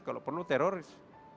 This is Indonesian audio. kalau perlu teroris